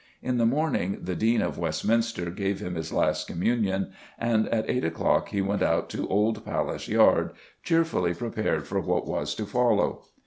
In the morning the Dean of Westminster gave him his last Communion, and at eight o'clock he went out to Old Palace Yard, cheerfully prepared for what was to follow.